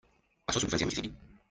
Pasó su infancia en Misisipi.